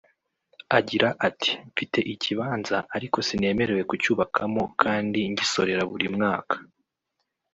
Agira ati “Mfite ikibanza ariko sinemerewe kucyubakamo kandi ngisorera buri mwaka